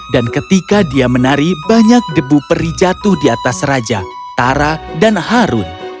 dan ketika dia menari banyak debu peri jatuh di atas raja tara dan harun